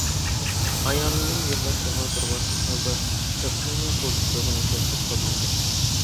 ئايالىنىڭ يىغلاشلىرىغا پەرۋاسىز ھالدا، چاپىنىنى قولتۇقلىغىنىچە، سىرتقا ماڭدى.